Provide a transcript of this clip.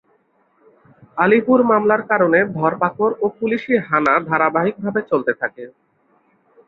আলীপুর মামলার কারণে ধরপাকড় ও পুলিশি হানা ধারাবাহিকভাবে চলতে থাকে।